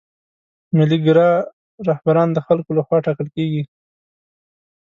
ملي ګرا رهبران د خلکو له خوا ټاکل کیږي.